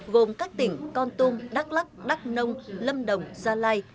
gồm các tỉnh con tum đắk lắc đắk nông lâm đồng gia lai